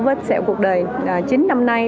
vết sẹo cuộc đời chính năm nay